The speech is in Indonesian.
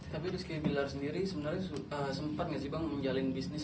tapi rizky bilar sendiri sebenarnya sempat nggak sih bang menjalin bisnis